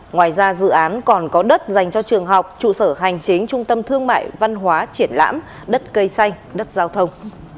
ngoài ra dự án còn có đất dành cho trường học trụ sở hành chính trung tâm thương mại văn hóa triển lãm đất cây xanh đất giao thông